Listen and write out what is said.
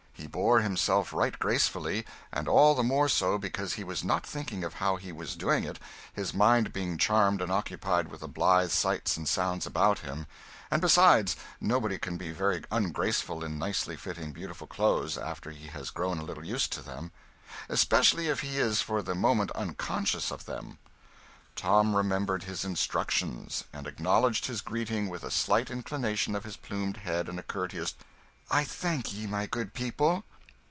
He bore himself right gracefully, and all the more so because he was not thinking of how he was doing it, his mind being charmed and occupied with the blithe sights and sounds about him and besides, nobody can be very ungraceful in nicely fitting beautiful clothes after he has grown a little used to them especially if he is for the moment unconscious of them. Tom remembered his instructions, and acknowledged his greeting with a slight inclination of his plumed head, and a courteous "I thank ye, my good people."